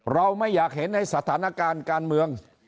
เราไม่อยากเห็นในสถานการณ์การเมือง